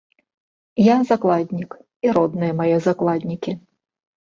Я закладнік, і родныя мае закладнікі.